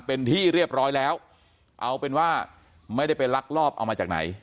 เป็นที่เรียบร้อยแล้วเอาเป็นว่าไม่ได้ไปลักลอบเอามาจากไหน